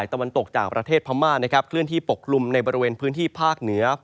ตะวันตกจากประเทศพม่านะครับเคลื่อนที่ปกลุ่มในบริเวณพื้นที่ภาคเหนือ